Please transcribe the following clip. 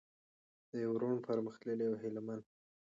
د يو روڼ، پرمختللي او هيله من